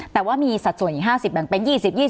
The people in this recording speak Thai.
แต่ว่ามีสัดส่วนอีก๕๐แบ่งเป็น๒๐๒๐